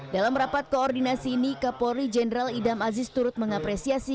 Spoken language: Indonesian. dalam rapat koordinasi ini kapolri jenderal idam aziz turut mengapresiasi